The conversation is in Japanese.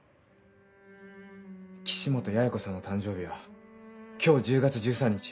岸本八重子さんの誕生日は今日１０月１３日。